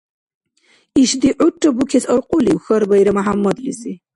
— Ишди гӀурра букес аркьулив? – хьарбаира МяхӀяммадлизи.